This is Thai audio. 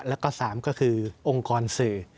และสามคือองค์กรสื่อ